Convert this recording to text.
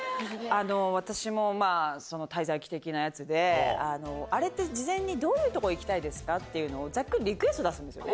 あの、私もまあ、その滞在記的な奴で、あれって事前に、どういう所、行きたいですかっていうのを、ざっくりリクエスト出すんですよ。